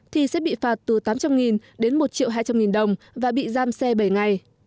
thì sẽ bị phạt từ tám trăm linh đến một triệu hai trăm linh đồng và bị giam xe bảy ngày